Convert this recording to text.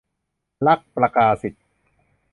รักประกาศิต